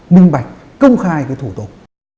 minh bạch công khai cái thủ tục